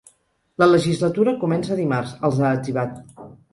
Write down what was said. La legislatura comença dimarts, els ha etzibat.